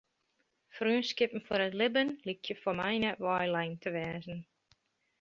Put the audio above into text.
Freonskippen foar it libben lykje foar my net weilein te wêze.